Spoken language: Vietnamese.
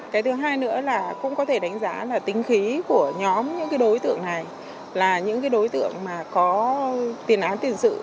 cái thứ hai nữa là cũng có thể đánh giá là tính khí của nhóm những đối tượng này là những đối tượng mà có tiền án tiền sự